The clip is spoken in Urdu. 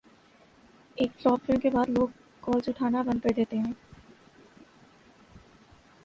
ایک فلاپ فلم کے بعد لوگ کالز اٹھانا بند کردیتے ہیں